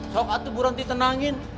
sok atuh buranti tenangin